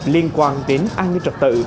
liên quan đến an ninh trả tự